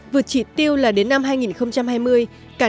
vượt chỉ tiêu là đến năm hai nghìn hai mươi